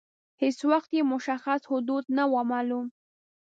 هیڅ وخت یې مشخص حدود نه وه معلوم.